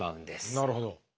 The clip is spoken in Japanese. なるほど。